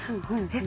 えっ？